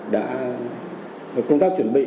đã công tác chuẩn bị